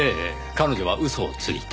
彼女は嘘をついた。